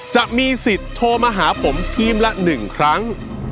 จะมีสิทธิ์โทรมาหาผมทีมละ๑ครั้ง